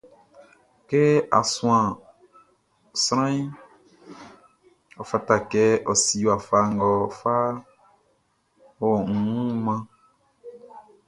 Kɛ á súan sranʼn, ɔ fata kɛ a si wafa nga á fá ɔ wun mánʼn.